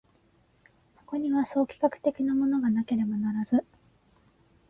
そこには総企画的なものがなければならず、